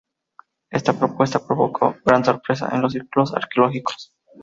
Esta propuesta provocó gran sorpresa en los círculos arqueológicos.